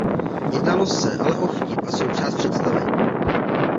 Jednalo se ale o vtip a součást představení.